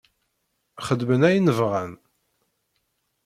Xeddmen ayen bɣan.